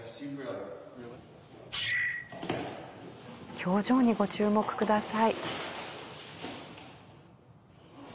表情にご注目ください。